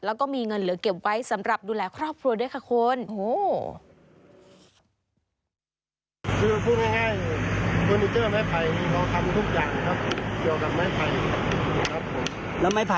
แล้วก็มีเงินเหลือเก็บไว้สำหรับดูแลครอบครัวด้วยค่ะคุณ